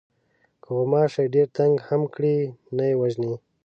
که غوماشی ډېر تنگ هم کړي نه یې وژنې.